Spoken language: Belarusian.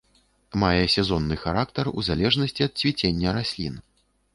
Мае сезонны характар у залежнасці ад цвіцення раслін.